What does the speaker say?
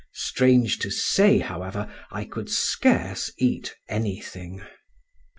Strange to say, however, I could scarce eat anything.